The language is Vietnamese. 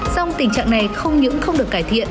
song tình trạng này không những không được cải thiện